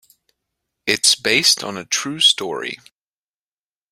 It's based on a true story.